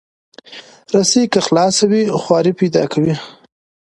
رسۍ که خلاصه وي، خواری پیدا کوي.